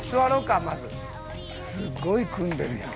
すごい組んでるやん。